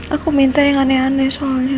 aku minta yang aneh aneh soalnya